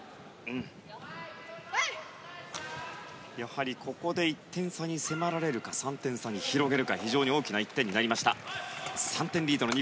やはり、ここで１点差に迫られるか３点差に広げるか非常に大きな１点になりました。